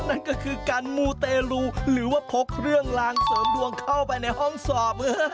นั่นก็คือการมูเตลูหรือว่าพกเครื่องลางเสริมดวงเข้าไปในห้องสอบ